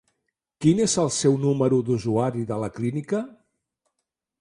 Quin és el seu número d'usuari de la clínica?